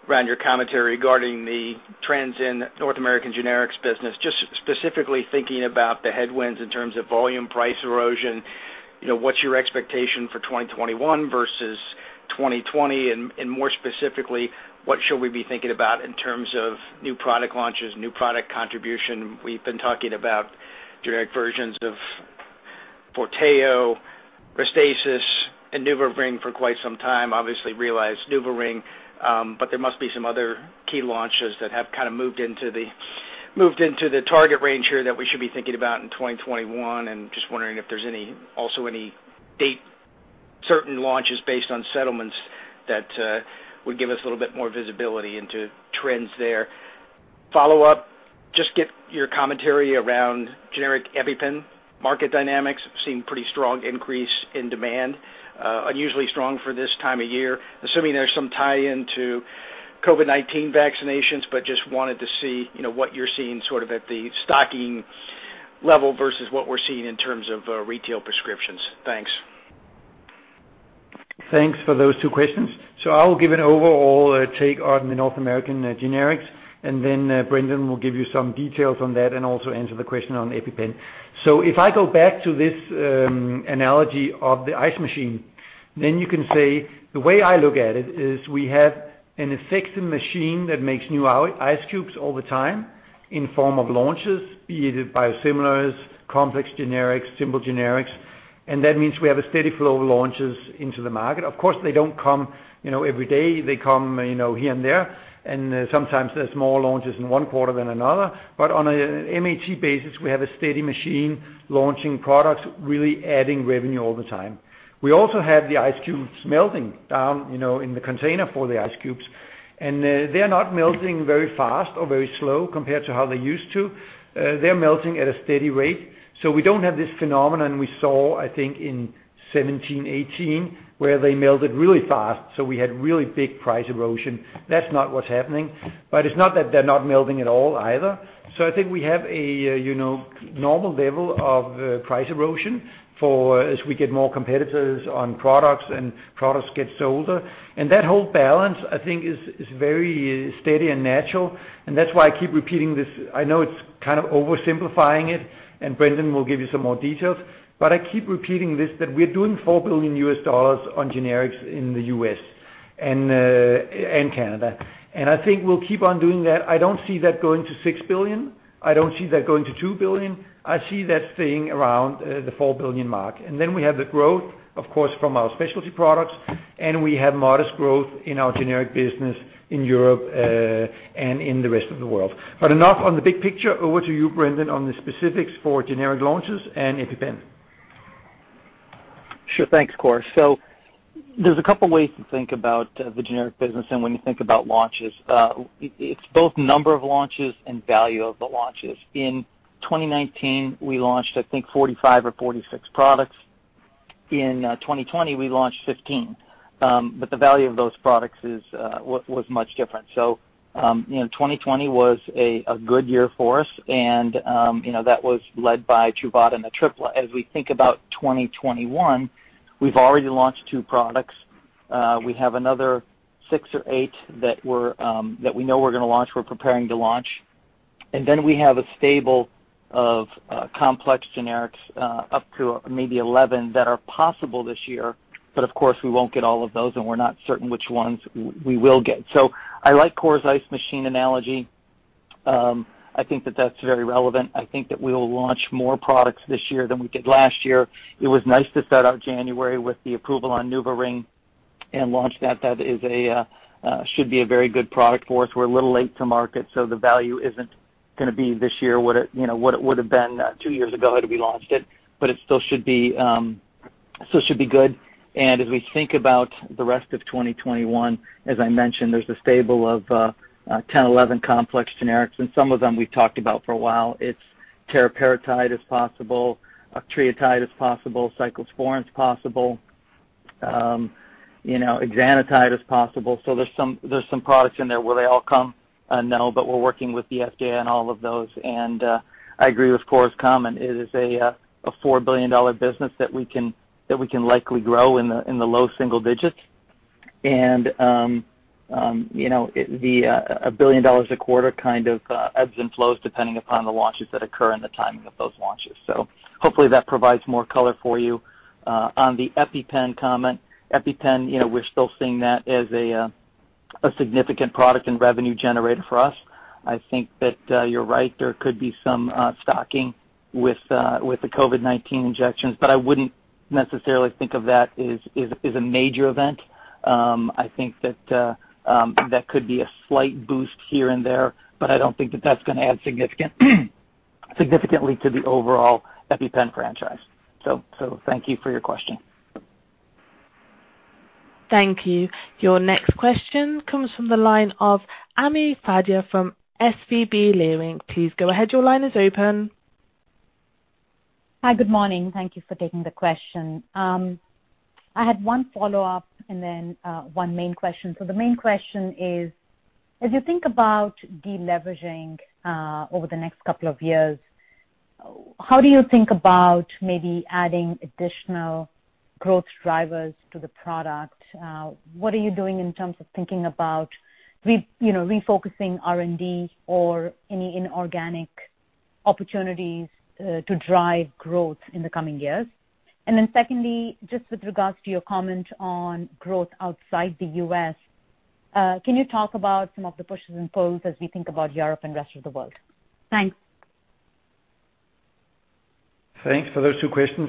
around your commentary regarding the trends in North American generics business, just specifically thinking about the headwinds in terms of volume price erosion, what's your expectation for 2021 versus 2020? More specifically, what should we be thinking about in terms of new product launches, new product contribution? We've been talking about generic versions of FORTEO, RESTASIS, and NuvaRing for quite some time. Obviously realized NuvaRing, but there must be some other key launches that have kind of moved into the target range here that we should be thinking about in 2021, and just wondering if there's also any date certain launches based on settlements that would give us a little bit more visibility into trends there. Follow-up, just get your commentary around generic EpiPen market dynamics. Seeing pretty strong increase in demand, unusually strong for this time of year, assuming there's some tie in to COVID-19 vaccinations. Just wanted to see what you're seeing sort of at the stocking level versus what we're seeing in terms of retail prescriptions. Thanks. Thanks for those two questions. I will give an overall take on the North American generics, and then Brendan will give you some details on that and also answer the question on EpiPen. If I go back to this analogy of the ice machine, then you can say the way I look at it is we have an effective machine that makes new ice cubes all the time in form of launches, be it biosimilar complex generics, simple generics, and that means we have a steady flow of launches into the market. Of course, they don't come every day. They come here and there, and sometimes there's more launches in one quarter than another. On a MAT basis, we have a steady machine launching products, really adding revenue all the time. We also have the ice cubes melting down in the container for the ice cubes, and they're not melting very fast or very slow compared to how they used to. They're melting at a steady rate. We don't have this phenomenon we saw, I think in 2017, 2018, where they melted really fast, so we had really big price erosion. That's not what's happening. It's not that they're not melting at all either. I think we have a normal level of price erosion for as we get more competitors on products and products get older. That whole balance, I think is very steady and natural, and that's why I keep repeating this. I know it's kind of oversimplifying it, and Brendan will give you some more details, but I keep repeating this that we're doing $4 billion on generics in the U.S. and Canada. I think we'll keep on doing that. I don't see that going to $6 billion. I don't see that going to $2 billion. I see that staying around the $4 billion mark. Then we have the growth, of course, from our specialty products, and we have modest growth in our generic business in Europe, and in the rest of the world. Enough on the big picture, over to you, Brendan, on the specifics for generic launches and EpiPen. Sure. Thanks, Kåre. There's a couple ways to think about the generic business and when you think about launches. It's both number of launches and value of the launches. In 2019, we launched, I think, 45 or 46 products. In 2020, we launched 15. The value of those products was much different. 2020 was a good year for us, and that was led by Truvada and Atripla. As we think about 2021, we've already launched two products. We have another six or eight that we know we're going to launch, we're preparing to launch. We have a stable of complex generics, up to maybe 11 that are possible this year. Of course, we won't get all of those, and we're not certain which ones we will get. I like Kåre's ice machine analogy. I think that that's very relevant. I think that we will launch more products this year than we did last year. It was nice to start out January with the approval on NuvaRing and launch that. That should be a very good product for us. We're a little late to market, the value isn't going to be this year what it would've been two years ago had we launched it still should be good. As we think about the rest of 2021, as I mentioned, there's a stable of 10, 11 complex generics, some of them we've talked about for a while. It's teriparatide is possible, octreotide is possible, cyclosporine is possible. exenatide is possible. There's some products in there. Will they all come? No, we're working with the FDA on all of those. I agree with Kåre's comment. It is a $4 billion business that we can likely grow in the low single digits. The $1 billion a quarter kind of ebbs and flows depending upon the launches that occur and the timing of those launches. Hopefully that provides more color for you. On the EpiPen comment, EpiPen, we're still seeing that as a significant product and revenue generator for us. I think that you're right, there could be some stocking with the COVID-19 injections, but I wouldn't necessarily think of that as a major event. I think that could be a slight boost here and there, but I don't think that that's going to add significantly to the overall EpiPen franchise. Thank you for your question. Thank you. Your next question comes from the line of Ami Fadia from SVB Leerink. Please go ahead. Your line is open. Hi. Good morning. Thank you for taking the question. I had one follow-up and one main question. The main question is, as you think about deleveraging over the next couple of years, how do you think about maybe adding additional growth drivers to the product? What are you doing in terms of thinking about refocusing R&D or any inorganic opportunities to drive growth in the coming years? Secondly, just with regards to your comment on growth outside the U.S., can you talk about some of the pushes and pulls as we think about Europe and rest of the world? Thanks. Thanks for those two questions.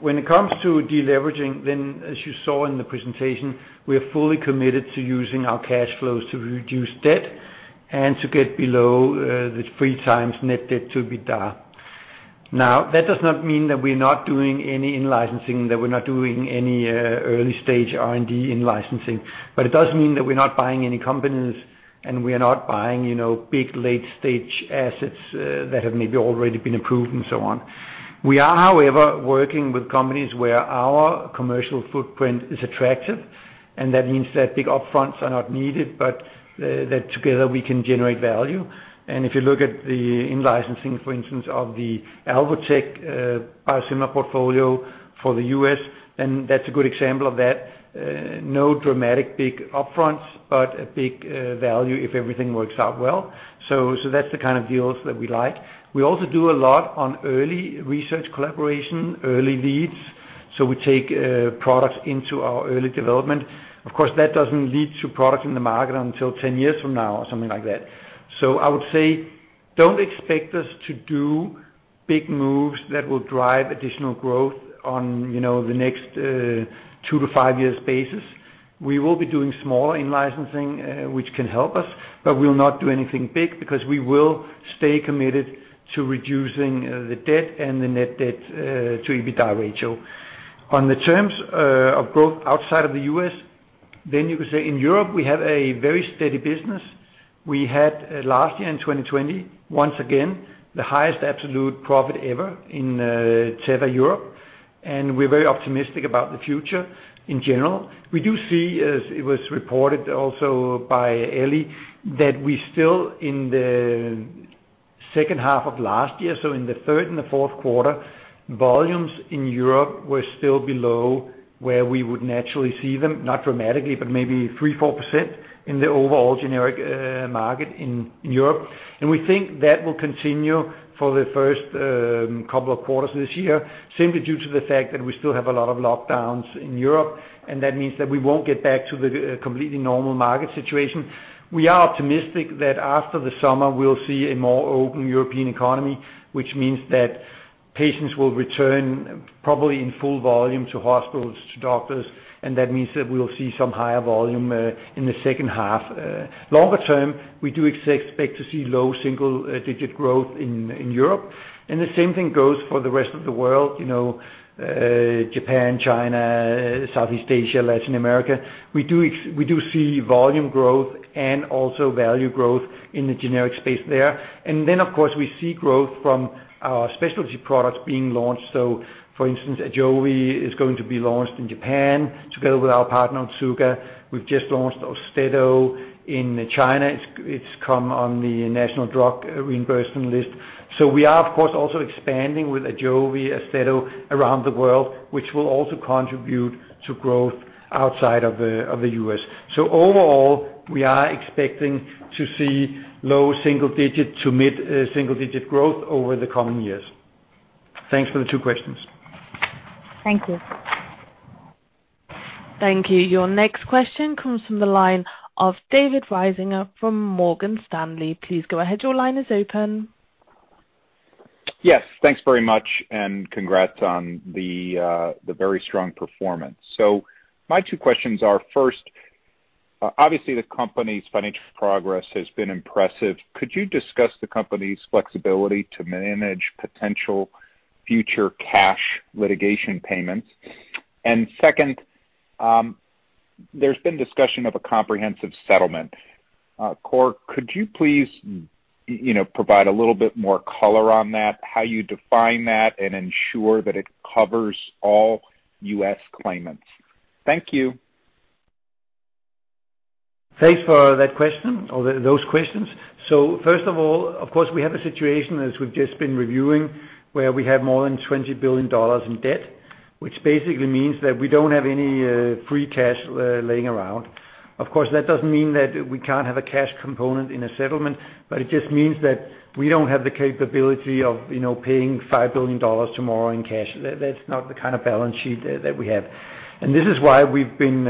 When it comes to deleveraging, then as you saw in the presentation, we're fully committed to using our cash flows to reduce debt and to get below the three times net debt to EBITDA. That does not mean that we're not doing any in-licensing, that we're not doing any early-stage R&D in licensing. It does mean that we're not buying any companies and we are not buying big, late-stage assets that have maybe already been approved and so on. We are, however, working with companies where our commercial footprint is attractive, and that means that big upfronts are not needed, but that together we can generate value. If you look at the in-licensing, for instance, of the Alvotech biosimilar portfolio for the U.S., then that's a good example of that. No dramatic big upfronts, but a big value if everything works out well. That's the kind of deals that we like. We also do a lot on early research collaboration, early leads, so we take products into our early development. Of course, that doesn't lead to products in the market until 10 years from now or something like that. I would say, don't expect us to do big moves that will drive additional growth on the next two to five years basis. We will be doing small in-licensing, which can help us, but we will not do anything big because we will stay committed to reducing the debt and the net debt to EBITDA ratio. On the terms of growth outside of the U.S., then you could say in Europe we have a very steady business. We had last year, in 2020, once again, the highest absolute profit ever in Teva Europe. We're very optimistic about the future in general. We do see, as it was reported also by Eli, that we still in the second half of last year, so in the third and the fourth quarter, volumes in Europe were still below where we would naturally see them, not dramatically, but maybe 3%, 4% in the overall generic market in Europe. We think that will continue for the first couple of quarters this year, simply due to the fact that we still have a lot of lockdowns in Europe. That means that we won't get back to the completely normal market situation. We are optimistic that after the summer we'll see a more open European economy, which means that patients will return probably in full volume to hospitals, to doctors, and that means that we will see some higher volume in the second half. Longer term, we do expect to see low single-digit growth in Europe, and the same thing goes for the rest of the world, Japan, China, Southeast Asia, Latin America. We do see volume growth and also value growth in the generic space there. Of course, we see growth from our specialty products being launched. For instance, AJOVY is going to be launched in Japan together with our partner, Otsuka. We've just launched AUSTEDO in China. It's come on the national drug reimbursement list. We are of course, also expanding with AJOVY, AUSTEDO around the world, which will also contribute to growth outside of the U.S. Overall, we are expecting to see low single digit to mid-single digit growth over the coming years. Thanks for the two questions. Thank you. Thank you. Your next question comes from the line of David Risinger from Morgan Stanley. Please go ahead. Your line is open. Yes, thanks very much and congrats on the very strong performance. My two questions are, first, obviously the company's financial progress has been impressive. Could you discuss the company's flexibility to manage potential future cash litigation payments? Second, there's been discussion of a comprehensive settlement. Kåre, could you please provide a little bit more color on that, how you define that and ensure that it covers all U.S. claimants? Thank you. Thanks for those questions. First of all, of course, we have a situation as we've just been reviewing, where we have more than $20 billion in debt, which basically means that we don't have any free cash laying around. Of course, that doesn't mean that we can't have a cash component in a settlement, but it just means that we don't have the capability of paying $5 billion tomorrow in cash. That's not the kind of balance sheet that we have. This is why we've been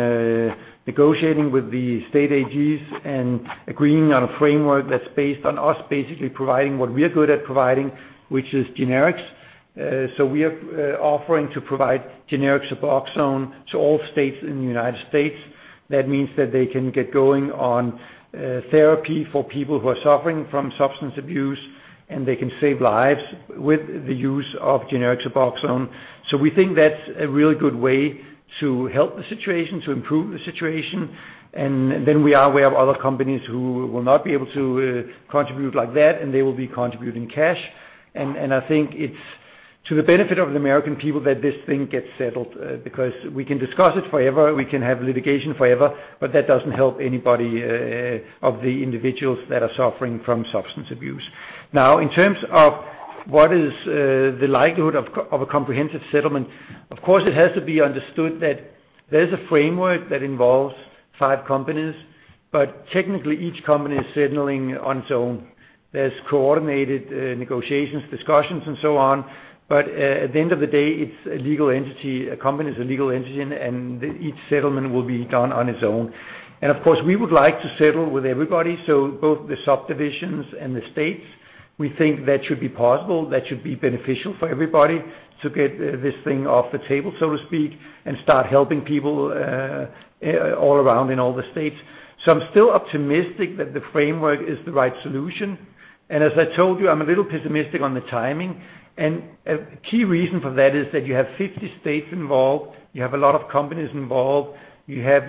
negotiating with the state AGs and agreeing on a framework that's based on us basically providing what we are good at providing, which is generics. We are offering to provide generic Suboxone to all states in the United States. That means that they can get going on therapy for people who are suffering from substance abuse, and they can save lives with the use of generic Suboxone. We think that's a really good way to help the situation, to improve the situation. Then we are aware of other companies who will not be able to contribute like that, and they will be contributing cash. I think it's to the benefit of the American people that this thing gets settled, because we can discuss it forever, we can have litigation forever, but that doesn't help anybody of the individuals that are suffering from substance abuse. In terms of what is the likelihood of a comprehensive settlement, of course, it has to be understood that there's a framework that involves five companies, but technically each company is settling on its own. There's coordinated negotiations, discussions and so on, but at the end of the day, a company is a legal entity, and each settlement will be done on its own. Of course, we would like to settle with everybody, so both the subdivisions and the states. We think that should be possible, that should be beneficial for everybody to get this thing off the table, so to speak, and start helping people all around in all the states. I'm still optimistic that the framework is the right solution. As I told you, I'm a little pessimistic on the timing. A key reason for that is that you have 50 states involved, you have a lot of companies involved, you have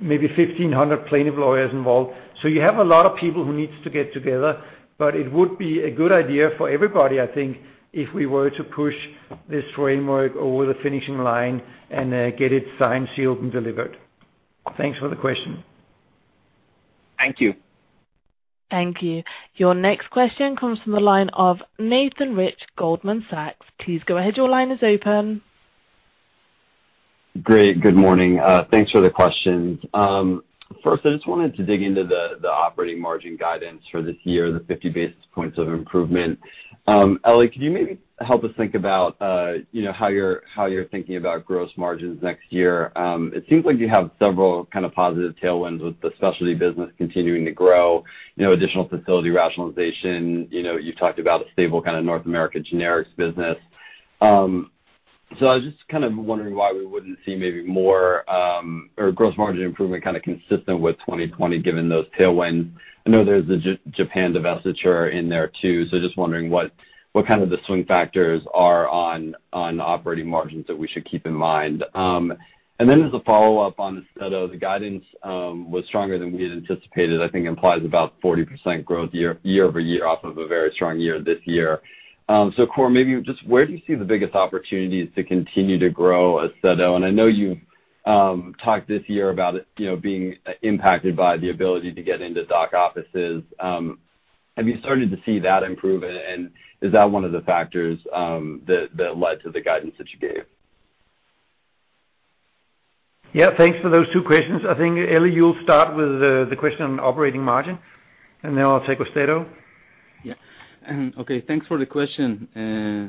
maybe 1,500 plaintiff lawyers involved. You have a lot of people who needs to get together, but it would be a good idea for everybody, I think, if we were to push this framework over the finishing line and get it signed, sealed, and delivered. Thanks for the question. Thank you. Thank you. Your next question comes from the line of Nathan Rich, Goldman Sachs. Please go ahead. Your line is open. Great. Good morning. Thanks for the questions. First, I just wanted to dig into the operating margin guidance for this year, the 50 basis points of improvement. Eli, could you maybe help us think about how you're thinking about gross margins next year? It seems like you have several kind of positive tailwinds with the specialty business continuing to grow, additional facility rationalization. You've talked about a stable North America generics business. I was just kind of wondering why we wouldn't see maybe more or gross margin improvement consistent with 2020 given those tailwinds. I know there's the Japan divestiture in there, too, just wondering what the swing factors are on operating margins that we should keep in mind. As a follow-up on AUSTEDO, the guidance was stronger than we had anticipated, I think implies about 40% growth year-over-year off of a very strong year this year. Kåre, maybe just where do you see the biggest opportunities to continue to grow AUSTEDO? I know you've talked this year about it being impacted by the ability to get into doc offices. Have you started to see that improve, and is that one of the factors that led to the guidance that you gave? Yeah, thanks for those two questions. I think, Eli, you'll start with the question on operating margin, and then I'll take AUSTEDO. Yeah. Okay, thanks for the question,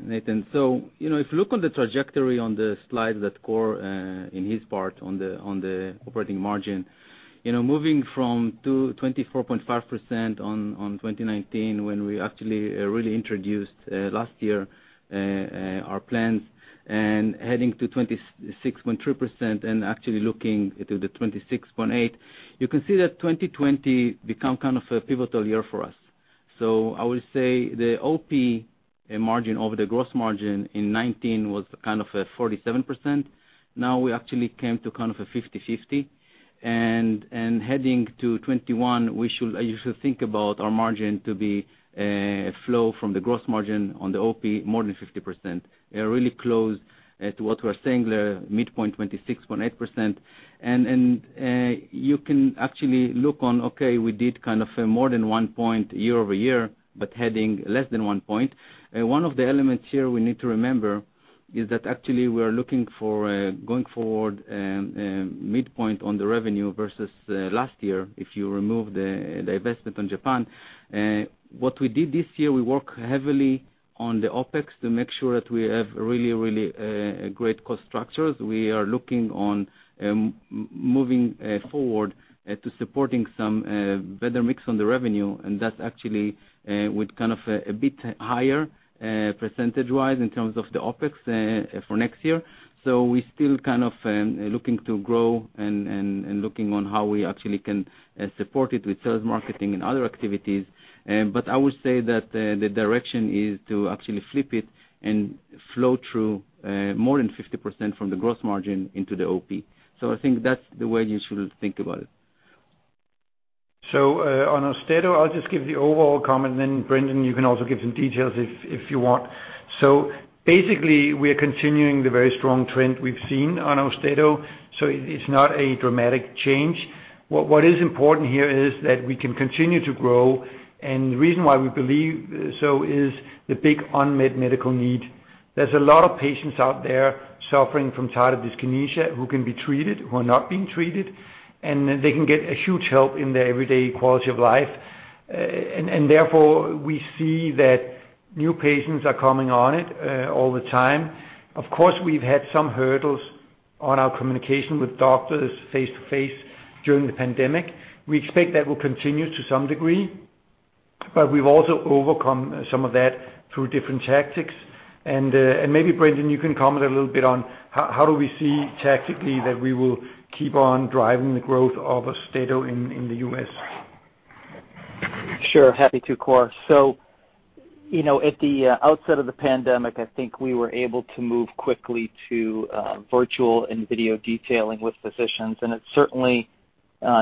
Nathan. If you look on the trajectory on the slide that Kåre, in his part on the operating margin, moving from 24.5% on 2019 when we actually really introduced, last year, our plans and heading to 26.3% and actually looking to the 26.8%, you can see that 2020 become kind of a pivotal year for us. I would say the OP margin over the gross margin in 2019 was kind of a 47%. Now we actually came to kind of a 50/50. Heading to 2021, you should think about our margin to be a flow from the gross margin on the OP more than 50%. Really close to what we're saying, the midpoint 26.8%. You can actually look on, okay, we did more than one point year-over-year, but heading less than one point. One of the elements here we need to remember is that actually we are looking for going forward, midpoint on the revenue versus last year, if you remove the divestment on Japan. What we did this year, we work heavily on the OpEx to make sure that we have really great cost structures. We are looking on moving forward to supporting some better mix on the revenue, and that actually would a bit higher, percentage-wise in terms of the OpEx for next year. We still looking to grow and looking on how we actually can support it with sales marketing and other activities. I would say that the direction is to actually flip it and flow through more than 50% from the gross margin into the OP. I think that's the way you should think about it. On AUSTEDO, I'll just give the overall comment, and then Brendan, you can also give some details if you want. Basically, we are continuing the very strong trend we've seen on AUSTEDO, it's not a dramatic change. What is important here is that we can continue to grow, and the reason why we believe so is the big unmet medical need. There's a lot of patients out there suffering from tardive dyskinesia who can be treated, who are not being treated, and they can get a huge help in their everyday quality of life. Therefore, we see that new patients are coming on it all the time. Of course, we've had some hurdles on our communication with doctors face-to-face during the pandemic. We expect that will continue to some degree, but we've also overcome some of that through different tactics. Maybe Brendan, you can comment a little bit on how do we see tactically that we will keep on driving the growth of AUSTEDO in the U.S.? Sure. Happy to, Kåre. At the outset of the pandemic, I think we were able to move quickly to virtual and video detailing with physicians, and it's certainly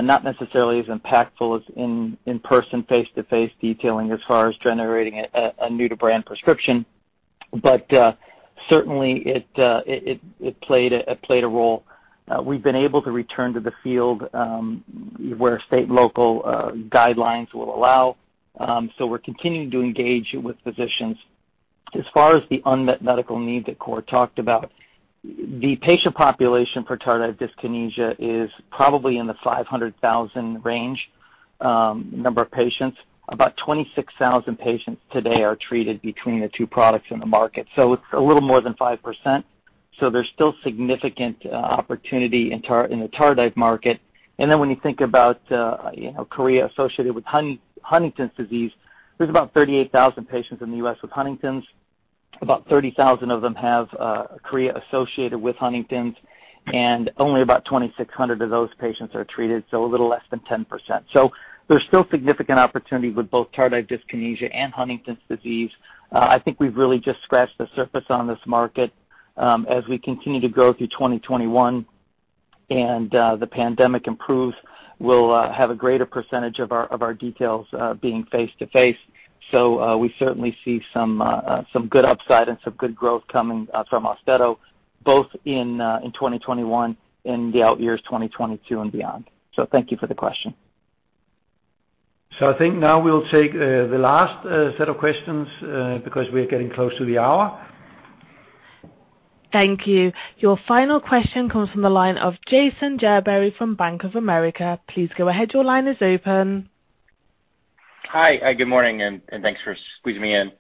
not necessarily as impactful as in-person face-to-face detailing as far as generating a new-to-brand prescription, but certainly it played a role. We've been able to return to the field, where state and local guidelines will allow. We're continuing to engage with physicians. As far as the unmet medical need that Kåre talked about, the patient population for tardive dyskinesia is probably in the 500,000 range number of patients. About 26,000 patients today are treated between the two products in the market. It's a little more than 5%. There's still significant opportunity in the tardive market. When you think about chorea associated with Huntington's disease, there's about 38,000 patients in the U.S. with Huntington's. About 30,000 of them have chorea associated with Huntington's, and only about 2,600 of those patients are treated, a little less than 10%. There's still significant opportunity with both tardive dyskinesia and Huntington's disease. I think we've really just scratched the surface on this market. As we continue to go through 2021 and the pandemic improves, we'll have a greater percentage of our details being face-to-face. We certainly see some good upside and some good growth coming from AUSTEDO, both in 2021 and the out years 2022 and beyond. Thank you for the question. I think now we'll take the last set of questions because we're getting close to the hour. Thank you. Your final question comes from the line of Jason Gerberry from Bank of America. Please go ahead. Your line is open. Hi. Good morning, and thanks for squeezing me in.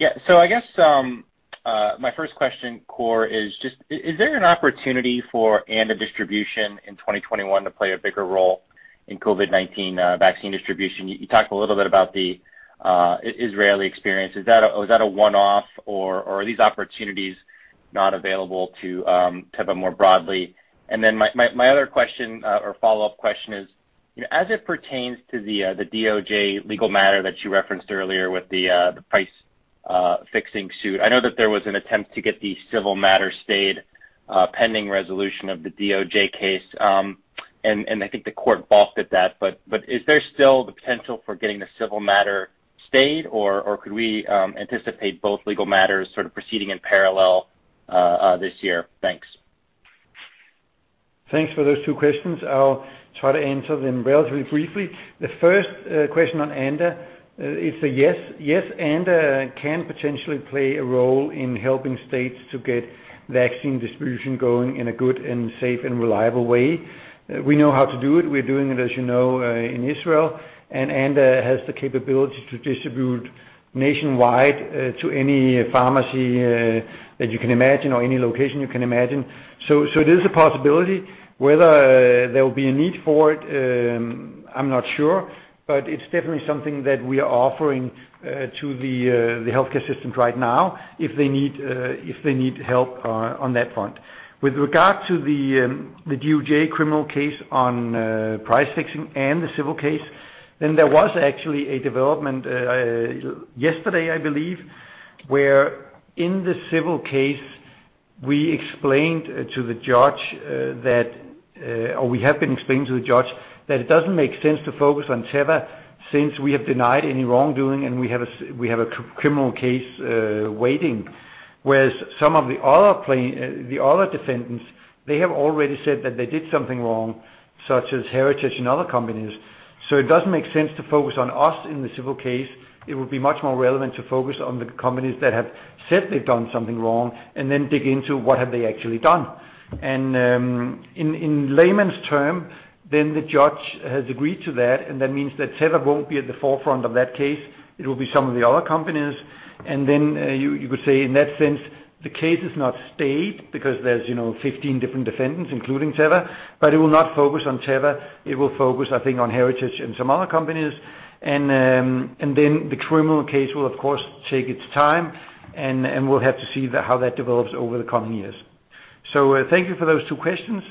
I guess my first question, Kåre, is just is there an opportunity for Anda Distribution in 2021 to play a bigger role in COVID-19 vaccine distribution? You talked a little bit about the Israeli experience. Is that a one-off, or are these opportunities not available to Teva more broadly? My other question or follow-up question is as it pertains to the DOJ legal matter that you referenced earlier with the price fixing suit, I know that there was an attempt to get the civil matter stayed pending resolution of the DOJ case. I think the court balked at that, is there still the potential for getting the civil matter stayed, or could we anticipate both legal matters sort of proceeding in parallel this year? Thanks. Thanks for those two questions. I'll try to answer them relatively briefly. The first question on Anda is a yes. Yes, Anda can potentially play a role in helping states to get vaccine distribution going in a good and safe and reliable way. We know how to do it. We're doing it, as you know, in Israel, and Anda has the capability to distribute nationwide to any pharmacy that you can imagine or any location you can imagine. It is a possibility. Whether there will be a need for it, I'm not sure, but it's definitely something that we are offering to the healthcare system right now if they need help on that front. With regard to the DOJ criminal case on price fixing and the civil case, there was actually a development yesterday, I believe, where in the civil case we explained to the judge that, or we have been explaining to the judge that it doesn't make sense to focus on Teva since we have denied any wrongdoing and we have a criminal case waiting, whereas some of the other defendants, they have already said that they did something wrong, such as Heritage and other companies. It doesn't make sense to focus on us in the civil case. It would be much more relevant to focus on the companies that have said they've done something wrong then dig into what have they actually done. In layman's terms, then the judge has agreed to that, and that means that Teva won't be at the forefront of that case. It will be some of the other companies. Then you could say in that sense, the case is not stayed because there's 15 different defendants, including Teva, but it will not focus on Teva. It will focus, I think, on Heritage and some other companies. Then the criminal case will of course take its time, and we'll have to see how that develops over the coming years. Thank you for those two questions.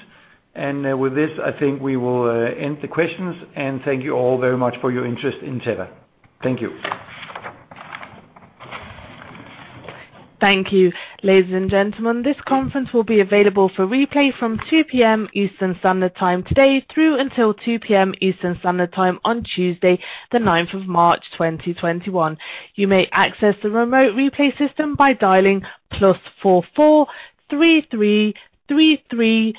With this, I think we will end the questions, and thank you all very much for your interest in Teva. Thank you. Thank you. Ladies and gentlemen, this conference will be available for replay from 2:00 P.M. Eastern Standard Time today through until 2:00 P.M. Eastern Standard Time on Tuesday, the ninth of March 2021. You may access the remote replay system by dialing +44 33 33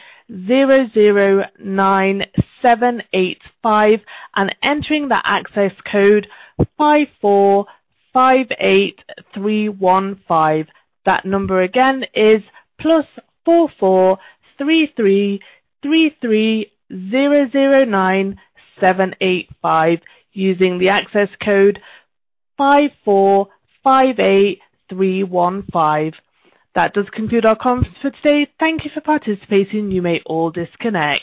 00 97 85 and entering the access code 54 58 31 5. That number again is +44 33 33 00 97 85 using the access code 54 58 31 5. That does conclude our conference for today. Thank you for participating. You may all disconnect.